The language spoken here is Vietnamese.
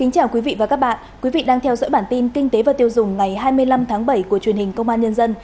chào mừng quý vị đến với bản tin kinh tế và tiêu dùng ngày hai mươi năm tháng bảy của truyền hình công an nhân dân